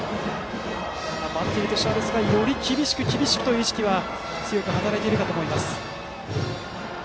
バッテリーとしては、ですからより厳しく、厳しくという意識は強く働いているかと思います。